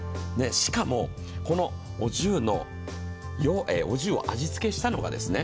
しかも、このお重を味付けしたのがですね。